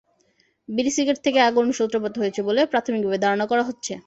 বিড়ি সিগারেট থেকে আগুনের সূত্রপাত হয়েছে বলে প্রাথমিকভাবে ধারণা করা হচ্ছে।